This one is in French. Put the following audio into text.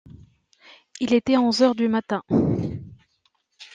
Il était onze heures du matin